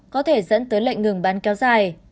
có thể dẫn tới lệnh ngừng bắn kéo dài